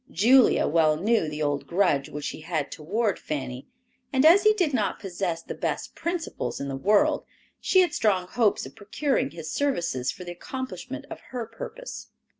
Julia well knew the old grudge which he had toward Fanny, and as he did not possess the best principles in the world, she had strong hopes of procuring his services for the accomplishment of her purpose.